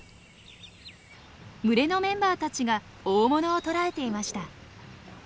群れのメンバーたちが大物を捕らえていました。